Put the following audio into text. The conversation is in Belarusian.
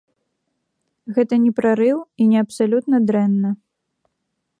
Гэта не прарыў і не абсалютна дрэнна.